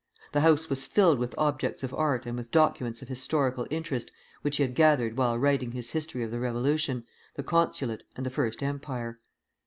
The house was filled with objects of art and with documents of historical interest which he had gathered while writing his History of the Revolution, the Consulate, and the First Empire.